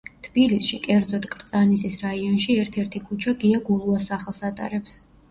თბილისში, კერძოდ, კრწანისის რაიონში ერთ-ერთი ქუჩა გია გულუას სახელს ატარებს.